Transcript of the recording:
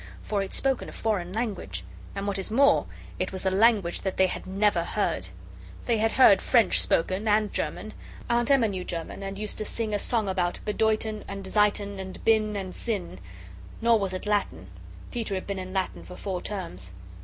For it spoke in a foreign language. And, what is more, it was a language that they had never heard. They had heard French spoken and German. Aunt Emma knew German, and used to sing a song about bedeuten and zeiten and bin and sin. Nor was it Latin. Peter had been in Latin for four terms.